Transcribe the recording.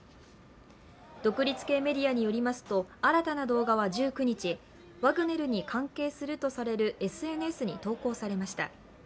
独立系メディアによりますと新たな動画は１９日、ワグネルに関係するとされるＳＮＳに投稿されました。